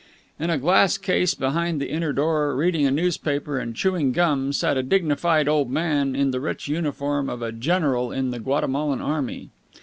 In a glass case behind the inner door, reading a newspaper and chewing gum, sat a dignified old man in the rich uniform of a general in the Guatemalan army.